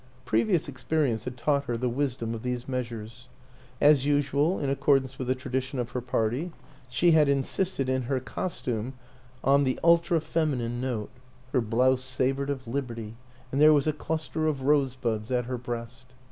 Previous ex perience had taught her the wisdom of these meas ures. As usual, in accordance with the tradition of her party, she had insisted in her costume on 32 WILLIAM AN ENGLISHMAN the ultra feminine note; her blouse savored of Liberty and there was a cluster of rosebuds at her breast.